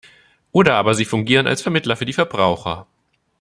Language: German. Oder aber sie fungieren als Vermittler für die Verbraucher.